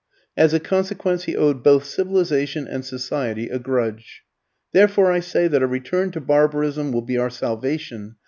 As a consequence he owed both civilisation and society a grudge. "Therefore I say that a return to barbarism will be our salvation.